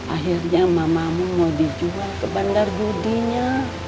akhirnya mamamu mau dijual ke bandar judinya